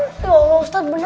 ya allah ustadz beneran